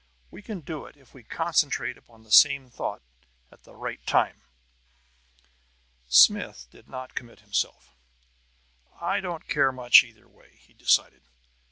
We can do it, if we concentrate upon the same thought at the right time!" Smith did not commit himself. "I don't care much either way," he decided.